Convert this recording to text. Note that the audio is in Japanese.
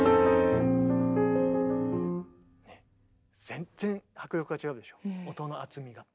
全然迫力が違うでしょ音の厚みが。